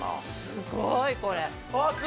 すごいこれ。